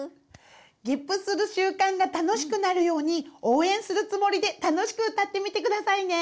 げっぷする習慣が楽しくなるように応援するつもりで楽しく歌ってみてくださいね！